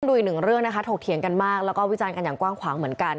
ดูอีกหนึ่งเรื่องนะคะถกเถียงกันมากแล้วก็วิจารณ์กันอย่างกว้างขวางเหมือนกัน